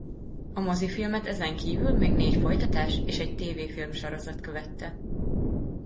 A mozifilmet ezen kívül még négy folytatás és egy tévéfilmsorozat követte.